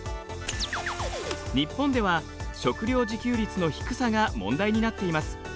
日本では食料自給率の低さが問題になっています。